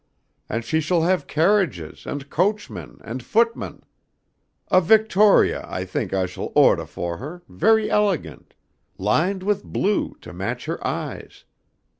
And she shall have carriages and coachmen and footmen. A Victoria, I think I shall odah fo' her, ve'y elegant, lined with blue to match her eyes....